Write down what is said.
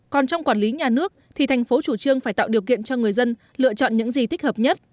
còn trong quản lý nhà nước thì thành phố chủ trương phải tạo điều kiện cho người dân lựa chọn những gì thích hợp nhất